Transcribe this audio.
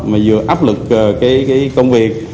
mà vừa áp lực công việc